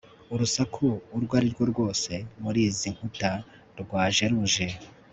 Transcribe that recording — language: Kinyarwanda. urusaku urwo arirwo rwose, muri izi nkuta, rwaje ruje